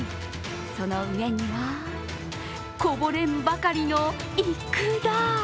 その上には、こぼれんばかりのいくら。